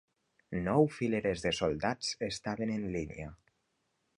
Nou fileres de soldats estaven en línia.